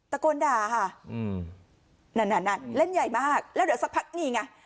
ตะโกนด่าค่ะนั่นนั่นเล่นใหญ่มากแล้วเดี๋ยวสักพักนี่ไง